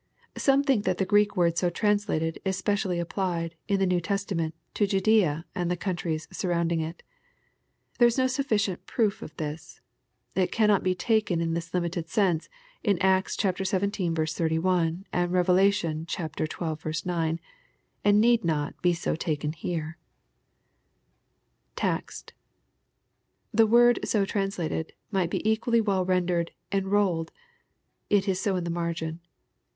'] Some think that the G reek word so translated, is specially appUed, in the New Testament, to Judsea and the countries surromiding it There is no sufficient proof of this. It cannot be taken in this limited sense in Acts zvii. 31, and Key. zii. 9, and need not be so taken here. [Tboced,] The word so translated, might be equally well rendered enrolled." It is so in the margin.